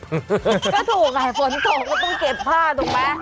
ก็ถูกฝนตกก็ต้องเก็บผ้าถูกไหม